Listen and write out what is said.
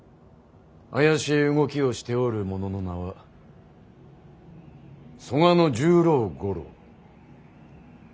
怪しい動きをしておる者の名は曽我十郎五郎。